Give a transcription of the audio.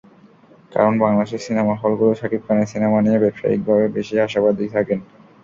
কারণ, বাংলাদেশের সিনেমা হলগুলো শাকিব খানের সিনেমা নিয়ে ব্যবসায়িকভাবে বেশি আশাবাদী থাকেন।